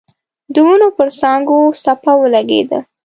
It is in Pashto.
د ونو پر څانګو څپه ولګېده.